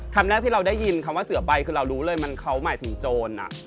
คำแรกที่เราได้ยินคำว่าเสือใบคือเรารู้เลยมันเขาหมายถึงโจร